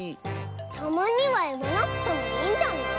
たまにはいわなくてもいいんじゃない？